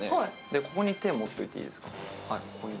ここに手を持っていていいですか。